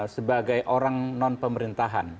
sebagai orang non pemerintahan